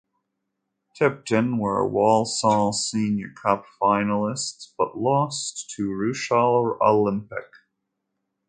Tipton were Walsall Senior Cup finalists but lost to Rushall Olympic.